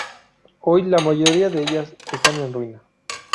Hoy, la mayoría de ellas están en ruina.